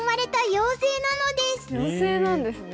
妖精なんですね。